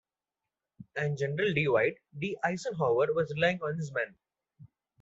And General Dwight D. Eisenhower was relying on his men.